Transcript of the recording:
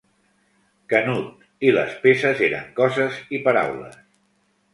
Canut, i les peces eren coses i paraules.